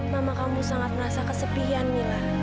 mama kamu sangat merasa kesepian mila